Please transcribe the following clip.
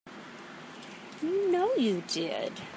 You know you did.